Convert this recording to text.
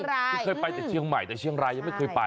คือเคยไปแต่เชียงใหม่แต่เชียงรายยังไม่เคยไป